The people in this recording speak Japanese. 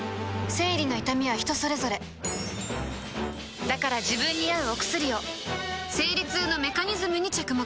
生理の痛みは人それぞれだから自分に合うお薬を生理痛のメカニズムに着目